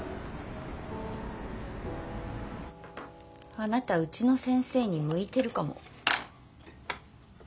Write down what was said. あなたうちの先生に向いてるかも。